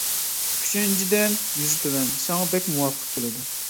ئۈچىنچىدىن يۈزى تۆۋەن، ساڭا بەكمۇ مۇۋاپىق كېلىدۇ.